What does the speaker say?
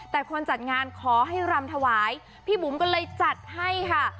แต่คนจัดงานขอให้รำถวายพี่บุ๋มก็เลยจัดให้ค่ะ